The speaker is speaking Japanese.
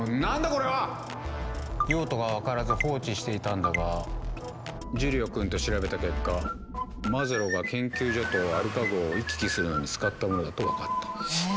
これは⁉用途が分からず放置していたんだがジュリオ君と調べた結果マズローが研究所とアルカ号を行き来するのに使ったものだと分かったえ